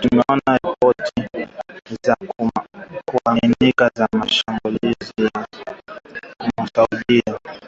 Tumeona ripoti za kuaminika za mashambulizi ya makusudi dhidi ya raia ambayo chini ya mikataba ya Geneva